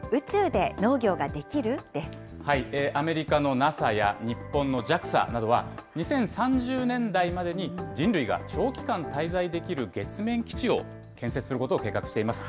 でアメリカのＮＡＳＡや日本のＪＡＸＡなどは、２０３０年代までに人類が長期間滞在できる月面基地を建設することを計画しています。